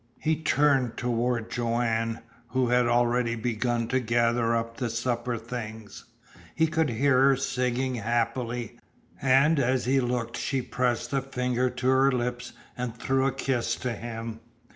He turned toward Joanne, who had already begun to gather up the supper things. He could hear her singing happily, and as he looked she pressed a finger to her lips and threw a kiss to him.